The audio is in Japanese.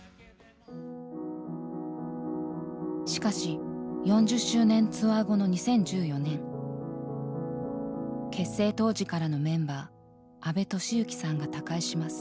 しかし４０周年ツアー後の２０１４年結成当時からのメンバー安部俊幸さんが他界します。